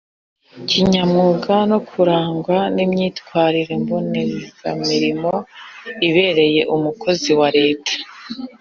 kinyamwuga no kurangwa n imyitwarire mbonezamurimo ibereye Umukozi wa Leta